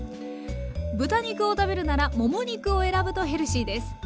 豚肉を食べるならもも肉を選ぶとヘルシーです。